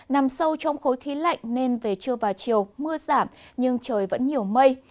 nằm sâu trong khối khí lạnh nên về trưa và chiều mưa giảm nhưng trời vẫn nhiều mây